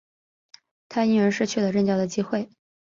他因而失去了任教的机会。